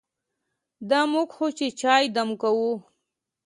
دا موږ خو چې چای دم کوو.